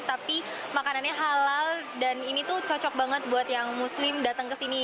tapi makanannya halal dan ini tuh cocok banget buat yang muslim datang ke sini